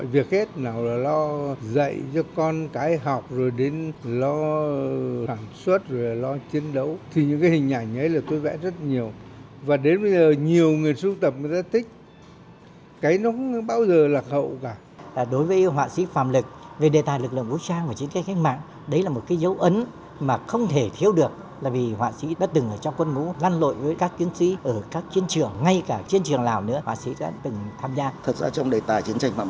với vị trí là một người nghệ sĩ quân đội có mặt tại các điểm nóng các bức tranh của họa sĩ phạm lực đều thể hiện tinh thần dân tộc việt nam